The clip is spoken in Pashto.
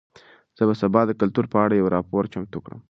زه به سبا د کلتور په اړه یو راپور چمتو کړم.